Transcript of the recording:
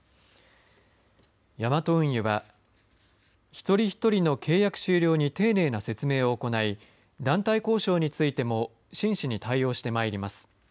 ヤマト運輸は一人一人の契約終了に丁寧な説明を行い団体交渉についても真摯に対応してまいります。